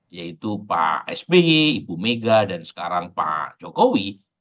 yaitu pak sby ibu mega dan sekarang pak jokowi